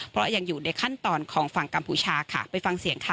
เพราะยังอยู่ในขั้นตอนของฝั่งกัมพูชาค่ะไปฟังเสียงค่ะ